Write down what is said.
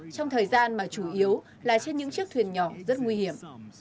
trong thời gian mà chủ yếu là trên những chiếc thuyền nhỏ rất nguy hiểm